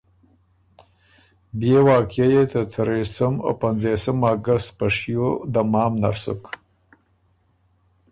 بئے واقعیه يې ته څرېسُم او پنځېسُم اګست په شیو دمام نر سُک